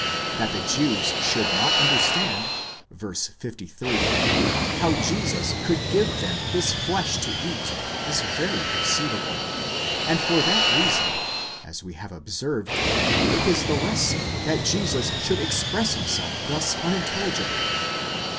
That the Jews should not understand (v. 53) how Jesus could give them his flesh to eat is very conceivable ; and for that reason, as we have observed, it is the less so that Jesus should express himself thus unintelligibly.